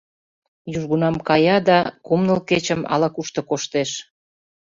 Южгунам кая да кум-ныл кечым ала-кушто коштеш.